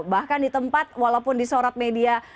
bahkan di tempat walaupun di sorot media